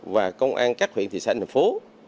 và công an các huyện thị xã thành phố